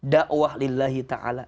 dakwah lillahi ta'ala